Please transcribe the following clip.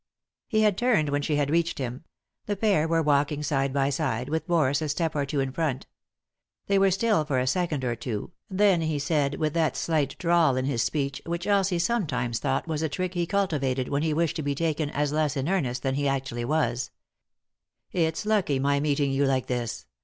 He had turned when she had reached him ; the pah were walking side by side, with Boris a step or two in front. <They were still for a second or two, then he said, with that slight drawl in his speech, which Elsie sometimes thought was a trick he cultivated when he wished to be taken as less in earnest than he actually was :" It's lucky my meeting you like this.